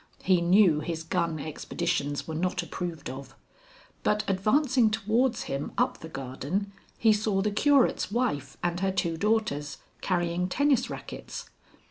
He knew his gun expeditions were not approved of. But advancing towards him up the garden, he saw the curate's wife and her two daughters, carrying tennis rackets.